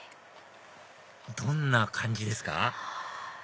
どんな感じですか？